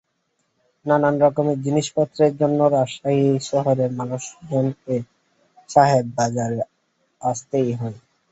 নানান রকমের জিনিসপত্রের জন্য রাজশাহী শহরের মানুষজনকে সাহেব বাজারে আসতেই হয়।